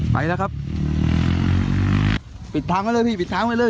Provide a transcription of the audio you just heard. ไปแล้วครับปิดทางไว้เลยพี่ปิดทางไว้เลย